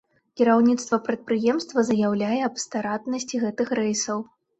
Кіраўніцтва прадпрыемства заяўляе аб стратнасці гэтых рэйсаў.